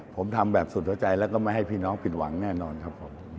ผมทำแบบสุดหัวใจแล้วก็ไม่ให้พี่น้องผิดหวังแน่นอนครับผม